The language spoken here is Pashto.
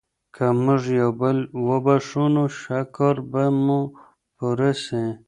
که موږ یو بل وبښو نو شکر به مو پوره سي.